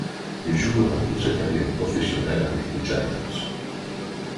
Il jouera toute sa carrière professionnelle avec les Giants.